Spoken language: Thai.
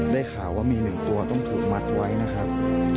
ได้ข่าวว่ามี๑ตัวต้องถูกมัดไว้นะครับ